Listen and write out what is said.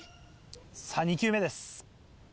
さぁ２球目です。